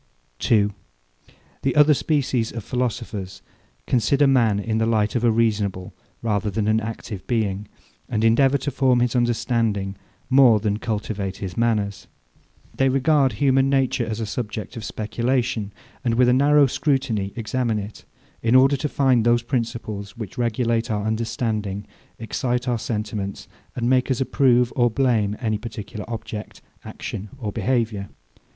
2. The other species of philosophers consider man in the light of a reasonable rather than an active being, and endeavour to form his understanding more than cultivate his manners. They regard human nature as a subject of speculation; and with a narrow scrutiny examine it, in order to find those principles, which regulate our understanding, excite our sentiments, and make us approve or blame any particular object, action, or behaviour.